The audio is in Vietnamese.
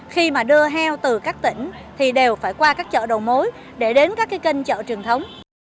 khi mà đưa heo từ các tỉnh thì đều phải qua các chợ đầu mối để đến các cái kênh chợ truyền thống